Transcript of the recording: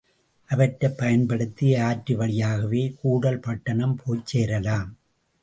அவற்றைப் பயன்படுத்தி ஆற்று வழியாகவே கூடல் பட்டணம் போய்ச் சேரலாம்.